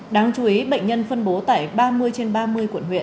đáng chú ý bệnh nhân phân bố tại ba mươi trên ba mươi quận huyện